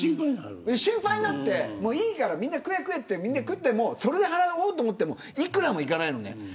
心配になっていいから、みんな食えっていってそれで払おうと思ってもいくらもいかないのね。